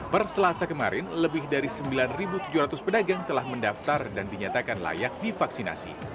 perselasa kemarin lebih dari sembilan tujuh ratus pedagang telah mendaftar dan dinyatakan layak divaksinasi